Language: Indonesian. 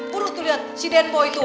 buruk tuh liat si denpo itu